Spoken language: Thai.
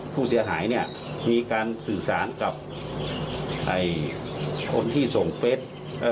ผู้เสียหายเนี่ยมีการสื่อสารกับคนที่ส่งเฟส